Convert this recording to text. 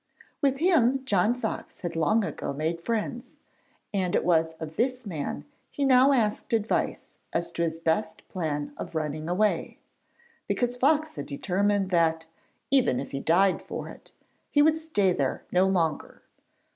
With him, John Fox had long ago made friends, and it was of this man he now asked advice as to his best plan of running away, because Fox had determined that, even if he died for it, he would stay there no longer.